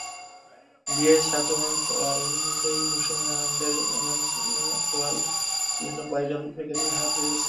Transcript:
বিয়ের সাজওমেনস ওয়ার্ল্ডএই মৌসুমে কনেদের জন্য ওমেনস ওয়ার্ল্ড বিভিন্ন ব্রাইডাল প্যাকেজে ছাড় দিচ্ছে।